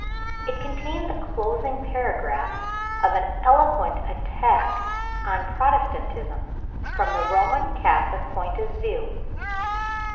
It contained the closing paragraphs of an eloquent attack on Protestantism, from the Roman Catholic point of view.